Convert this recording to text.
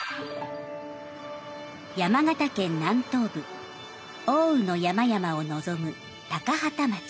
山形県南東部奥羽の山々を望む高畠町。